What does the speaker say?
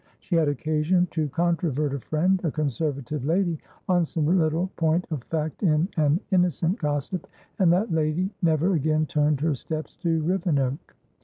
She had occasion to controvert a friend, a Conservative lady, on some little point of fact in an innocent gossip, and that lady never again turned her steps to Rivenoak.